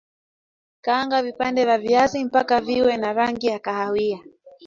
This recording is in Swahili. kaanga vipande vya viazi mpaka viwe na rangi ya kahawia